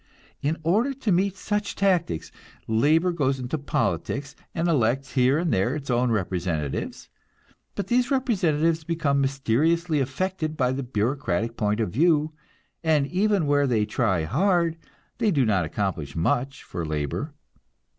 In order to meet such tactics, labor goes into politics, and elects here and there its own representatives; but these representatives become mysteriously affected by the bureaucratic point of view, and even where they try hard, they do not accomplish much for labor.